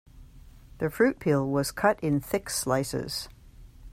The fruit peel was cut in thick slices.